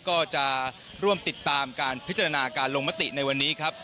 ก็จะร่วมติดตามการพิจารณาการลงมติในวันนี้ครับ